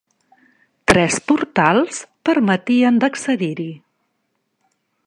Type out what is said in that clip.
Tres portals permetien d'accedir-hi.